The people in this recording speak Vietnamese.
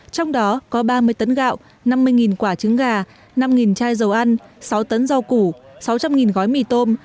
trong đó có ba mươi tấn gạo năm mươi quả trứng gà năm chai dầu ăn sáu tấn rau củ sáu trăm linh gói mì tôm